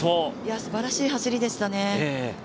すばらしい走りでしたね。